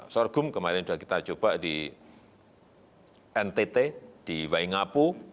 sorghum kemarin sudah kita coba di ntt di waingapu